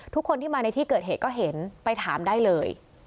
ทุกคนที่มาในที่เกิดเหตุก็เห็นไปถามได้เลย